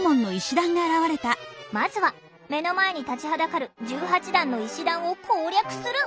まずは目の前に立ちはだかる１８段の石段を攻略する。